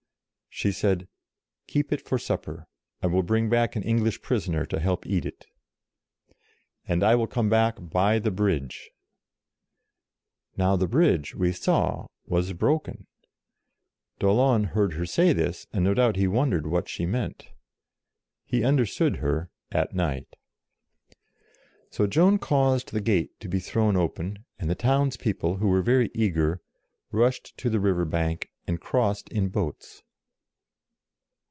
She said, " Keep it for supper. I will bring back an English prisoner to help to eat it. And I will come back by the bridge." Now the bridge, we saw, was broken. 44 JOAN OF ARC D'Aulon heard her say this, and no doubt he wondered what she meant He under stood her, at night. So Joan caused the gate to be thrown open, and the town's people, who were very eager, rushed to the river bank, and crossed in boats.